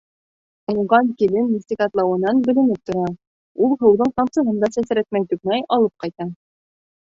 Уңған килен нисек атлауынан беленеп тора, ул һыуҙың тамсыһын да сәсрәтмәй-түкмәй алып ҡайта.